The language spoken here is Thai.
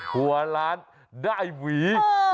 หัวล้านได้หวี